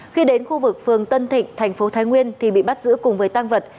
khi đến khu vực phường tân thịnh thành phố thái nguyên thì bị bắt giữ cùng với tăng vật